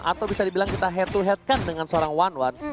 atau bisa dibilang kita head to head kan dengan seorang wan one